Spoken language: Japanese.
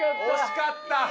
惜しかった！